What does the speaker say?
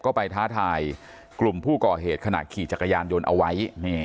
ก็ไปท้าทายกลุ่มผู้ก่อเหตุขณะขี่จักรยานยนต์เอาไว้